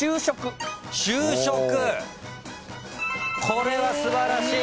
これは素晴らしい。